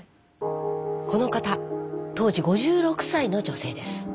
この方当時５６歳の女性です。